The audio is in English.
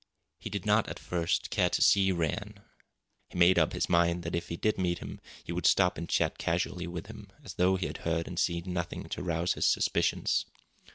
He did not, at first, care to see Rann. He made up his mind that if he did meet him he would stop and chat casually with him, as though he had heard and seen nothing to rouse his suspicions.